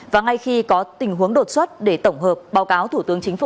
và ngay khi có tình huống đột xuất để tổng hợp báo cáo thủ tướng chính phủ